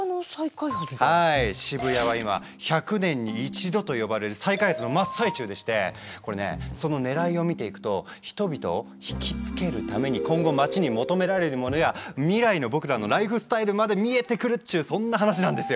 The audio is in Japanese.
はい渋谷は今１００年に１度と呼ばれる再開発の真っ最中でしてこれねそのねらいを見ていくと人々を引きつけるために今後街に求められるものや未来の僕らのライフスタイルまで見えてくるっちゅうそんな話なんですよ。